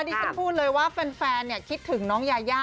ที่ฉันพูดเลยว่าแฟนคิดถึงน้องยายา